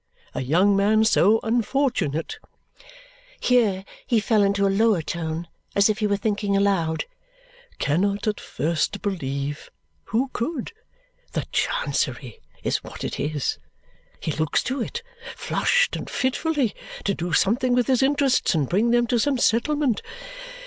A young man so unfortunate," here he fell into a lower tone, as if he were thinking aloud, "cannot at first believe (who could?) that Chancery is what it is. He looks to it, flushed and fitfully, to do something with his interests and bring them to some settlement.